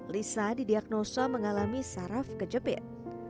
lisa didiagnosa mengalami saraf kejepit